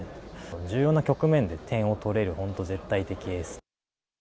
重要な局面で点を取れる、本当、絶対的エース。